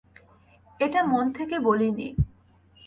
এটা মন থেকে বলিনি।